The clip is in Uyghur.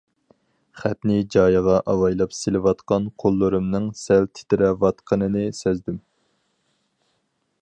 خەتنى جايىغا ئاۋايلاپ سېلىۋاتقان قوللىرىمنىڭ سەل تىترەۋاتقىنىنى سەزدىم.